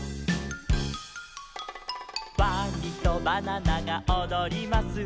「ワニとバナナがおどります」